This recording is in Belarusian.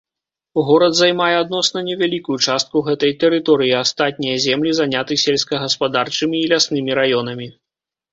Горад займае адносна невялікую частку гэтай тэрыторыі, астатнія землі заняты сельскагаспадарчымі і ляснымі раёнамі.